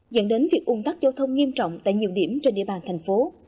dẫn đến việc ung tắc giao thông nghiêm trọng tại nhiều điểm trên địa bàn thành phố